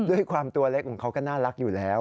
ด้วยความตัวเล็กของเขาก็น่ารักอยู่แล้ว